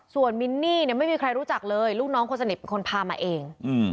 ส่วนมินนี่เนี่ยไม่มีใครรู้จักเลยลูกน้องคนสนิทเป็นคนพามาเอง